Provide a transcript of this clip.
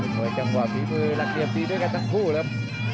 กลับทีมือหลักเนียมดีด้วยกันทั้งคู่ครับ